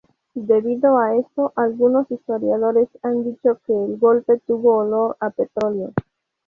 Debido a esto, algunos historiadores han dicho que "el golpe tuvo olor a petróleo".